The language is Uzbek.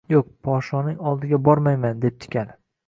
Yo‘q, podshoning oldiga bormayman, debdi kal